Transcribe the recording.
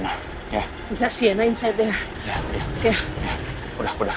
itu si sena di dalam sana